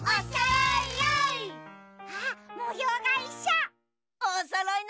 わおそろい！